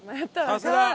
さすが！